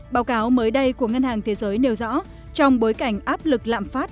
báo cáo mới đây của ngân hàng thế giới nêu rõ trong bối cảnh áp lực lạm phát